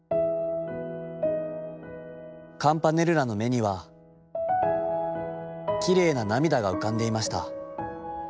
カムパネルラの眼にはきれいな涙が浮かんでゐました。